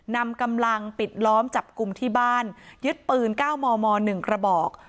นำกำลังปิดล้อมจับกลุ่มที่บ้านยึดปืน๙มม๑กระบอก